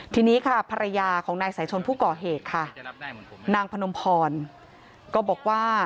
ทีนี้ค่ะภรรยาของนายสายชนผู้ก่อเหตุค่ะนางพนมพรก็บอกว่า